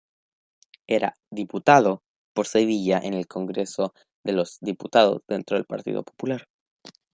Era "diputado" por Sevilla en el Congreso de los Diputados dentro del Partido Popular.